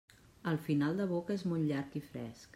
El final de boca és molt llarg i fresc.